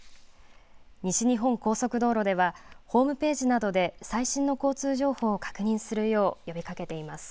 西日本高速道路ではホームページなどで最新の交通情報を確認するよう呼びかけています。